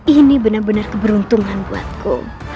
ini benar benar keberuntungan buatku